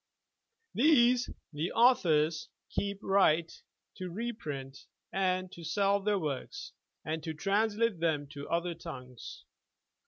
These (the authors) keep the right to re print and to sell their works, and to translate them into other tongues.